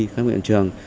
khám nghiệm trường